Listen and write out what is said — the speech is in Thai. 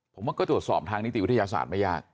ผมว่าก็ตรวจสอบทางนิติวิทยาศาสตร์ไม่ยาก